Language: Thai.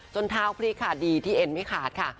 เท้าพลิกขาดีที่เอ็นไม่ขาดค่ะ